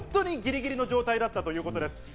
ギリギリの状態だったということです。